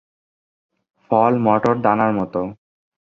ফল মটর দানার মতো।